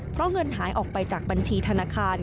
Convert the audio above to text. เพราะเงินหายออกไปจากบัญชีธนาคาร